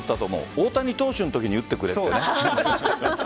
大谷投手のときに打ってくれと。